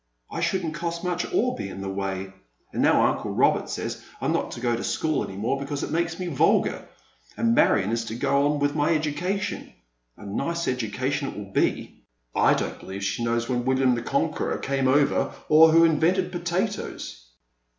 I shouldn't cost much or be in his way. And now uncle Robert says I'm not to go to school any more, because it makes me vulgar, and Marion is to go on with my education. A nice education it will be I I don't believe she knows when WilUam the Conqueror came over, or who invented potatoes."